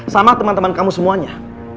sama teman teman kamu semuanya